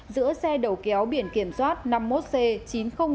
giữa xe đầu kéo biển kiểm soát năm mươi một c